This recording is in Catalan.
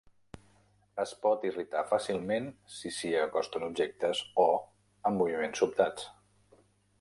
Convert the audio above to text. Es pot irritar fàcilment si s'hi acosten objectes o amb moviments sobtats.